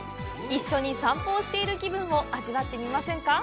一緒に散歩をしている気分を味わってみませんか？